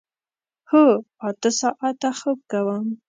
هو، اته ساعته خوب کوم